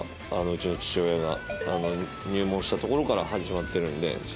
うちの父親が入門したところから始まってるんで。